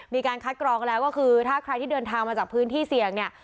มีการคัดกรองแล้วก็คือถ้าใครที่เดินทางมาจากพื้นที่เสี่ยงเนี่ย